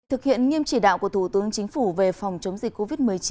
thực hiện nghiêm chỉ đạo của thủ tướng chính phủ về phòng chống dịch covid một mươi chín